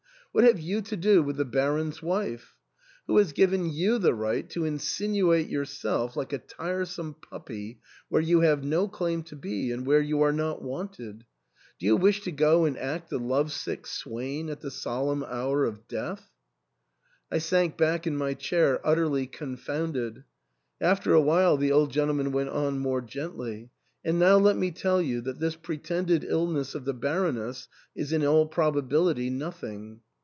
What have you to do with the Bar on's wife ? who has given you the right to insinuate yourself, like a tiresome puppy, where you have no claim to be, and where you are not wanted ? do you wish to go and act the love sick swain at the solemn hour of death ?" I sank back in my chair utterly confounded. After a w^hile the old gentleman went on more gently, " And now let me tell you that this pretended illness of the Baroness is in all probability nothing.